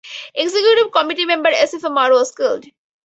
Executive Committee member Assefa Maru was killed.